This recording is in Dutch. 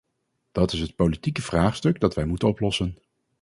Dat is het politieke vraagstuk dat wij moeten oplossen.